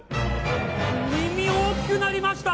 耳大きくなりました！